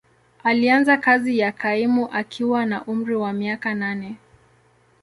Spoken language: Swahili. Alianza kazi ya kaimu akiwa na umri wa miaka nane.